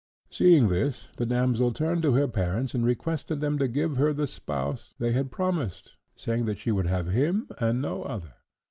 Seeing this, the damsel turned to her parents and requested them to give her the spouse they had promised, saying that she would have him, and no other.